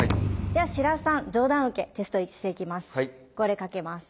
では白洲さん上段受けテストしていきます。